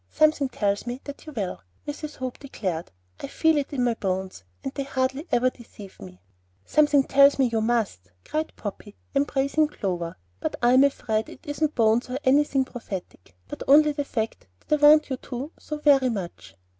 "Something tells me that you will," Mrs. Hope declared. "I feel it in my bones, and they hardly ever deceive me. My mother had the same kind; it's in the family." "Something tells me that you must," cried Poppy, embracing Clover; "but I'm afraid it isn't bones or anything prophetic, but only the fact that I want you to so very much."